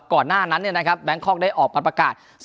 ก่อนหน้านั้นเนี่ยนะครับแบงค์คอกได้ออกปรับประกาศ